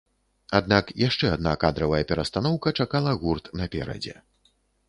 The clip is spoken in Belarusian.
Аднак яшчэ адна кадравая перастаноўка чакала гурт наперадзе.